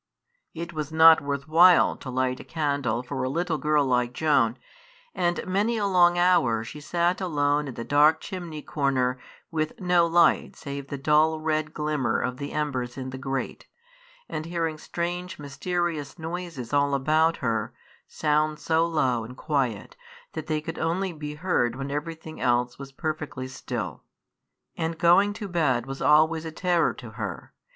It was not worth while to light a candle for a little girl like Joan, and many a long hour she sat alone in the dark chimney corner with no light save the dull red glimmer of the embers in the grate, and hearing strange, mysterious noises all about her, sounds so low and quiet that they could only be heard when everything else was perfectly still. And going to bed was always a terror to her.